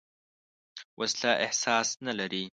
وسله احساس نه لري